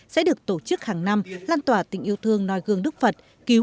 sẽ được tổ chức hàng năm lan tỏa tình yêu thương noi gương đức phật